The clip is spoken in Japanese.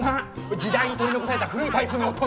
時代に取り残された古いタイプの大人！